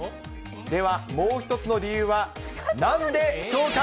ではもう１つの理由はなんでしょうか。